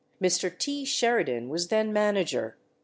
Mr. T. Sheridan was then manager.